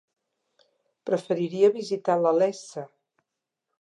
Preferiria visitar la Iessa.